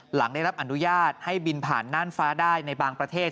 หลังได้รับอนุญาตให้บินผ่านน่านฟ้าได้ในบางประเทศ